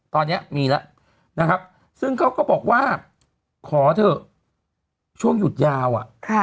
ตอนนี้มีแล้วนะครับซึ่งเขาก็บอกว่าขอเถอะช่วงหยุดยาวอ่ะ